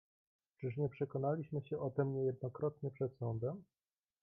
"Czyż nie przekonaliśmy się o tem niejednokrotnie przed sądem?"